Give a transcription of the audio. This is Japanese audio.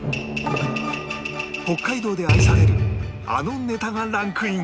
北海道で愛されるあのネタがランクイン